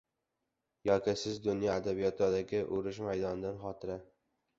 Yoki siz dunyo adabiyotidagi urush maydonidan xotira